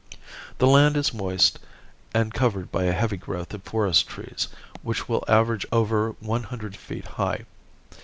The land is moist and covered by a heavy growth of forest trees, which will average over one hundred feet high.